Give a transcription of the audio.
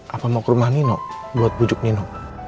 apa mau ke rumah nino buat bujuk nino